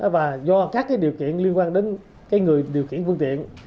và do các điều kiện liên quan đến người điều khiển phương tiện